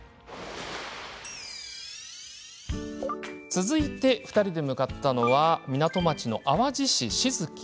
続いて、２人で向かったのは港町の淡路市、志筑。